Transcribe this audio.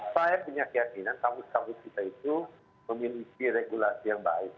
saya punya keyakinan kampus kampus kita itu memiliki regulasi yang baik